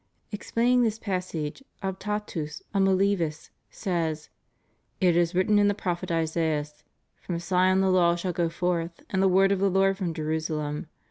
* Explaining this passage, Optatus of Milevis says: "It is written in the prophet Isaias :' From Sion the law shall go forth, and the word of the Lord from Jerusalem.'